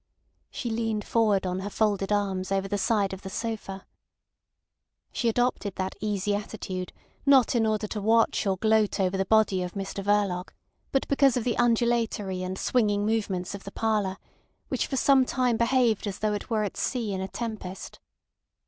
She leaned forward on her folded arms over the side of the sofa. She adopted that easy attitude not in order to watch or gloat over the body of Mr Verloc, but because of the undulatory and swinging movements of the parlour, which for some time behaved as though it were at sea in a tempest.